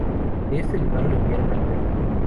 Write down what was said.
De este lugar lo enviaron al Perú.